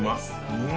うん！